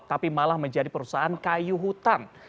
tapi malah menjadi perusahaan kayu hutan